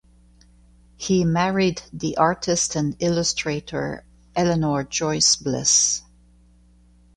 He married the artist and illustrator Eleanor Joyce Bliss.